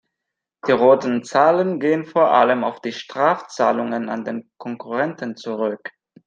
Die roten Zahlen gehen vor allem auf die Strafzahlungen an den Konkurrenten zurück.